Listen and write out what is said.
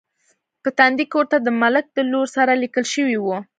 په تندي کې ورته د ملک د لور سره لیکل شوي و.